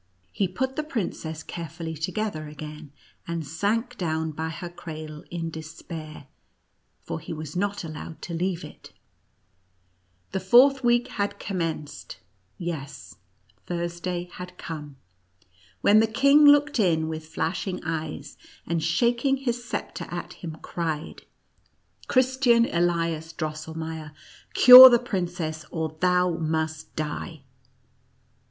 He put the princess carefully toge ther again, and sank down by her cradle in de spair, for he was not allowed to leave it. The miTOE ACKER AND MOUSE KING. 71 fourth, week had commenced — yes, Thursday had come, when the king looked in with flash ing eyes, and shaking his sceptre at him, cried, " Christian Elias Drosselmeier, cure the princess, or thou must die."